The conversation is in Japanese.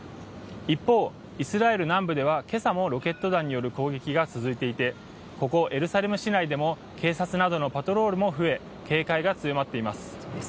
一方、イスラエル南部では、今朝もロケット弾に攻撃が続いていてここエルサレム市内でも警察などのパトロールも増え警戒が強まっています。